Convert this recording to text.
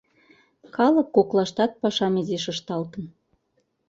Калык коклаштат пашам изиш ышталтын.